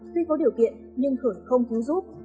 tuy có điều kiện nhưng khởi không cứu giúp